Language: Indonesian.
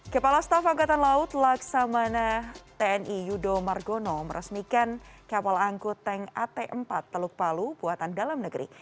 kepala staf angkatan laut laksamana tni yudo margono meresmikan kapal angkut tank at empat teluk palu buatan dalam negeri